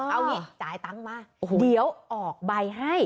เอานี่จ่ายตังค์มาเดี๋ยวออกใบให้